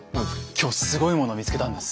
今日すごいものを見つけたんです。